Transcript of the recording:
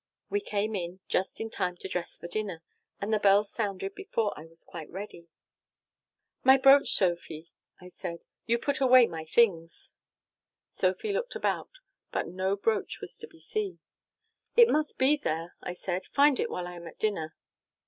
We came in just in time to dress for dinner, and the bell sounded before I was quite ready. "'My brooch, Sophy,' I said, 'you put away my things.' "Sophy looked about, but no brooch was to be seen. "'It must be there,' I said, 'find it while I am at dinner.'